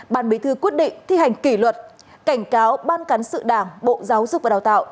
ban bí thư quyết định thi hành kỷ luật cảnh cáo ban cán sự đảng bộ giáo dục và đào tạo